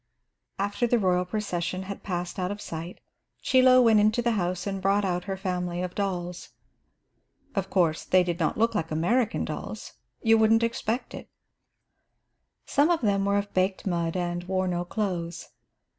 After the royal procession had passed out of sight, Chie Lo went into the house and brought out her family of dolls. Of course they did not look like American dolls; you wouldn't expect it. Some of them were of baked mud and wore no clothes.